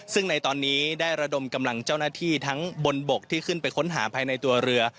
ซึ่งในตอนนี้ได้ระดมกำลังเจ้าหน้าที่ทั้งบนบกที่ขึ้นไปค้นหาภายในตัวเรือ